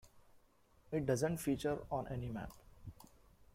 It doesn't feature on any map.